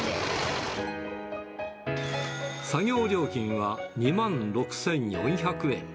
作業料金は２万６４００円。